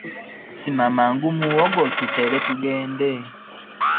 Sima mangu muwogo tutere tugende .